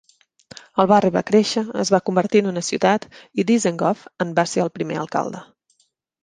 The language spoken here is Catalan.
El barri va créixer, es va convertir en una ciutat i Dizengoff en va ser el primer alcalde.